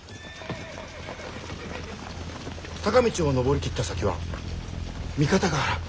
坂道を上り切った先は三方ヶ原。